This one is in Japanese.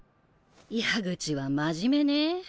矢口は真面目ね。